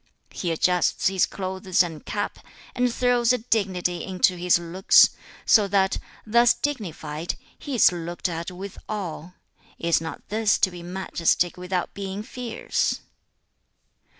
He adjusts his clothes and cap, and throws a dignity into his looks, so that, thus dignified, he is looked at with awe; is not this to be majestic without being fierce?'